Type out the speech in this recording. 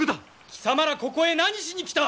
貴様らここへ何しに来た！